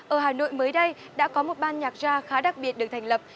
ở hà nội mới đây đã có một ban nhạc gia khá đặc biệt được thành lập